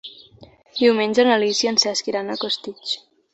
Diumenge na Lis i en Cesc iran a Costitx.